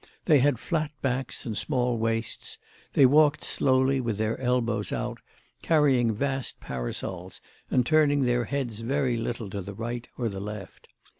They had flat backs and small waists, they walked slowly, with their elbows out, carrying vast parasols and turning their heads very little to the right or the left.